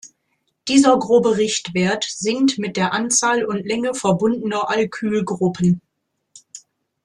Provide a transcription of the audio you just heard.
Dieser grobe Richtwert sinkt mit der Anzahl und Länge verbundener Alkylgruppen.